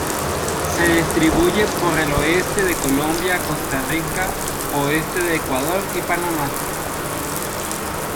Se distribuye por el oeste de Colombia, Costa Rica, oeste de Ecuador y Panamá.